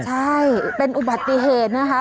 ใช่เป็นอุบัตินะ